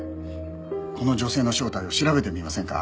この女性の正体を調べてみませんか？